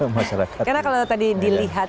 masyarakat karena kalau tadi dilihat